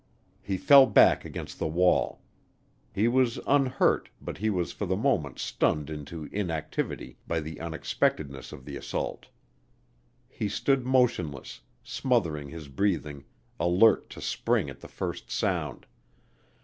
He fell back against the wall. He was unhurt, but he was for the moment stunned into inactivity by the unexpectedness of the assault. He stood motionless, smothering his breathing, alert to spring at the first sound.